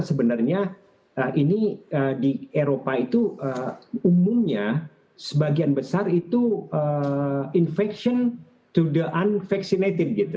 sebenarnya ini di eropa itu umumnya sebagian besar itu infection to the unvaccinated